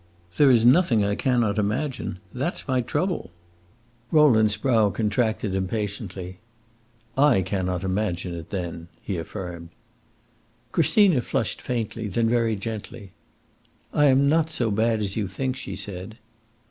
"There 's nothing I cannot imagine! That is my trouble." Rowland's brow contracted impatiently. "I cannot imagine it, then!" he affirmed. Christina flushed faintly; then, very gently, "I am not so bad as you think," she said.